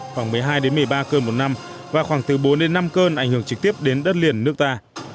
khoảng một mươi hai một mươi ba cơn một năm và khoảng từ bốn đến năm cơn ảnh hưởng trực tiếp đến đất liền nước ta